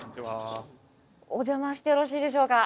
お邪魔してよろしいでしょうか。